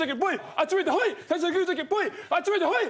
あっち向いてホイ。